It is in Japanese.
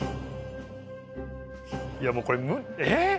いやもうこれえっ！？